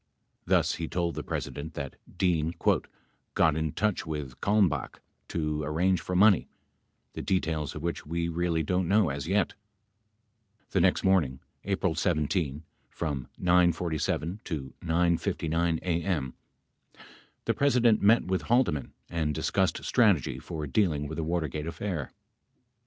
Thus he told the President that Dean "got in touch with Kalmbaoh to arrange for money, the details of which we really don't know as yet." 42 The next morning, April 17, from 9 :47 to 9 :59 a.m., the President met with Haldeman and discussed strategy for dealing with the Watergate affair.